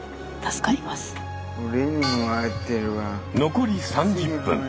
残り３０分。